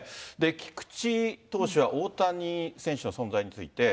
菊池投手は大谷選手の存在について。